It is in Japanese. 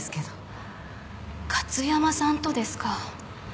加津山さんとですか。